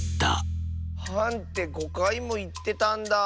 「はん」って５かいもいってたんだあ。